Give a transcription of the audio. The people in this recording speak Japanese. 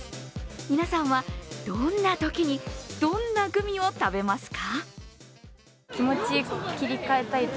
皆さんは、どんなときにどんなグミを食べますか？